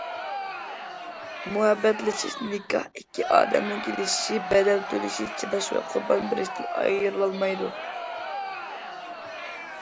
مۇھەببەتلىشىش، نىكاھ. ئىككى ئادەمنىڭ كېلىشىشى، بەدەل تۆلىشى، چىداش ۋە قۇربان بېرىشىدىن ئايرىلالمايدۇ.